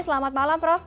selamat malam prof